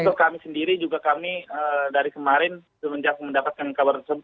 untuk kami sendiri juga kami dari kemarin semenjak mendapatkan kabar tersebut